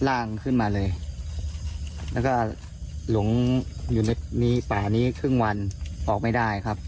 อะไรบางอย่างเห็นอะไรละ